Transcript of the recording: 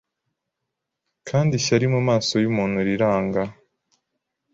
Kandi Ishyari mumaso yumuntu riranga